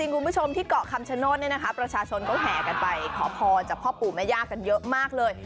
คุณผู้ชมที่เกาะคำชโนธเนี่ยนะคะประชาชนก็แห่กันไปขอพรจากพ่อปู่แม่ย่ากันเยอะมากเลย